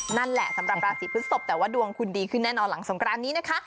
นั่นแหละสำหรับราศีพฤศพแต่ว่าดวงคุณดีขึ้นแน่นอนหลังสงครานนี้นะคะ